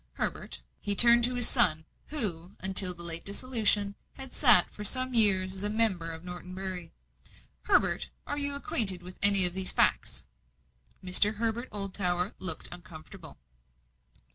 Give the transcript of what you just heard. Herbert" he turned to his son, who, until the late dissolution, had sat for some years as member for Norton Bury "Herbert, are you acquainted with any of these facts?" Mr. Herbert Oldtower looked uncomfortable.